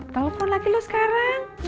telepon laki lu sekarang